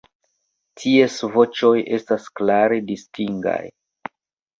Ties voĉoj estas klare distingaj.